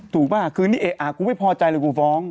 ถูกหรือเปล่าคือเนี่ยอ่ากูไม่พอใจเลยกูฟ้อง